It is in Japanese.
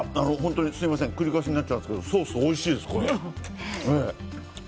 繰り返しになっちゃいますけどソース、おいしいです。